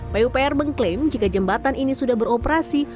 pupr mengklaim jika jembatan ini sudah beroperasi